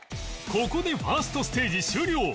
ここでファーストステージ終了